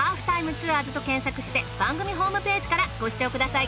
ツアーズと検索して番組ホームページからご視聴ください。